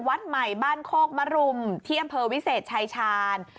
วัดใหม่บ้านโคกมรุมที่อำเภอวิเศษชายชาญ